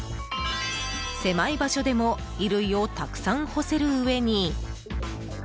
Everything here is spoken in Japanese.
狭い場所でも衣類をたくさん干せるうえに。